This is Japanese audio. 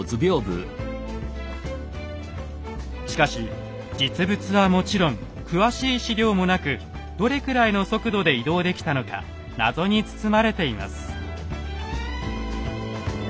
しかし実物はもちろん詳しい史料もなくどれくらいの速度で移動できたのかナゾに包まれています。